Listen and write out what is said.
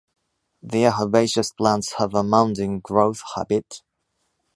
They are herbaceous plants have a mounding growth habit.